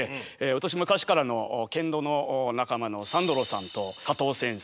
私昔からの剣道の仲間のサンドロさんと加藤先生